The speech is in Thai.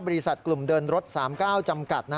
บริษัทกลุ่มเดินรถ๓๙จำกัด